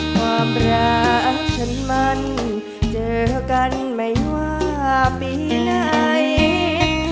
ความรักฉันมันเจอกันไม่ว่าปีไหน